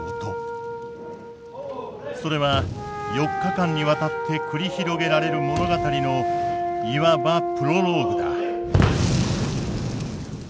それは４日間にわたって繰り広げられる物語のいわばプロローグだ。